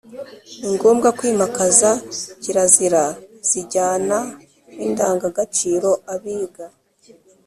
Ni ngombwa kwimakaza kirazira zijyana n’indangagaciro, abiga